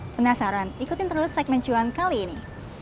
penasaran ikutin terus segmen cuan kali ini